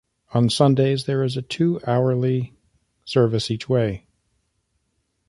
On Sundays, there is a two-hourly service each way.